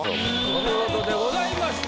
お見事でございました。